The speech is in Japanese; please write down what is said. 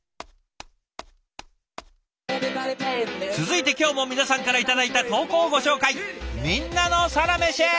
続いて今日も皆さんから頂いた投稿をご紹介。